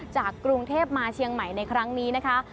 จากกรุงเทพมาเชียงใหม่ในครั้งนี้นะคะ